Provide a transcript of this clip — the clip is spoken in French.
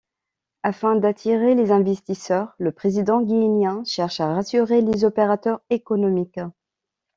Afin d'attirer les investisseurs, le président guinéen cherche à rassurer les opérateurs économiques.